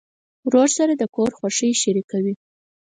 ورور سره د کور خوښۍ شریکوي.